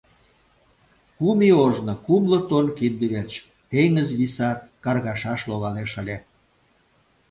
Кум ий ожно кумло тонн кинде верч теҥыз виса каргашаш логалеш ыле.